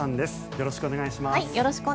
よろしくお願いします。